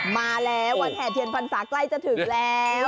มาแล้ววันแห่เทียนพรรษาใกล้จะถึงแล้ว